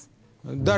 誰？